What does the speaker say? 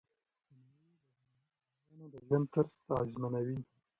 تنوع د افغانانو د ژوند طرز اغېزمنوي.